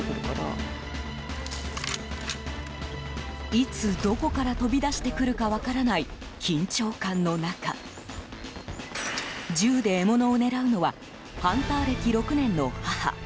いつどこから飛び出してくるか分からない緊張感の中銃で獲物を狙うのはハンター歴６年の母。